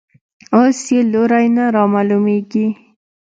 اوس یې لوری نه رامعلومېږي.